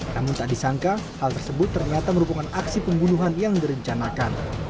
namun tak disangka hal tersebut ternyata merupakan aksi pembunuhan yang direncanakan